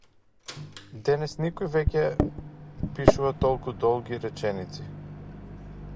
Денес никој веќе пишува толку долги реченици.